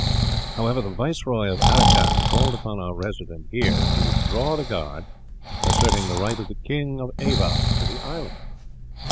However, the Viceroy of Aracan called upon our resident here to withdraw the guard, asserting the right of the King of Ava to the island.